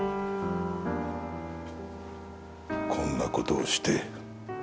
こんな事をして。